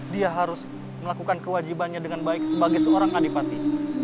dia harus melakukan kewajibannya dengan baik sebagai seorang adipati